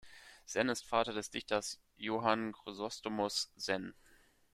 Senn ist Vater des Dichters Johann Chrysostomus Senn.